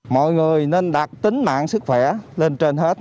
mọi người nên đặt tính mạng sức khỏe lên trên hết